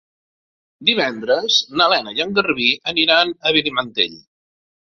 Divendres na Lena i en Garbí aniran a Benimantell.